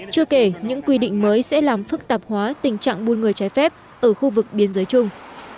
chưa kể những quy định mới sẽ làm phức tạp hóa tình trạng buôn người trái phép ở khu vực biên giới chung